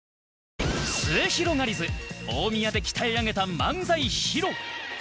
すゑひろがりず大宮で鍛え上げた漫才披露